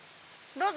どうぞ。